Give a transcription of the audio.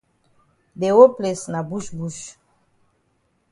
De whole place na bush bush.